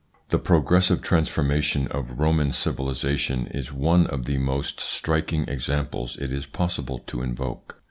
The progressive transformation of Roman civilisa tion is one of the most striking examples it is possible to invoke.